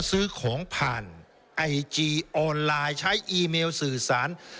ซื้อของผ่านไอจีออนไลน์ใช้อีเมลสื่อสาร